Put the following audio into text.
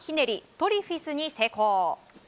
トリフィスに成功。